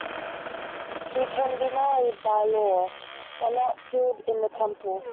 She can be married by law, but not sealed in the temple.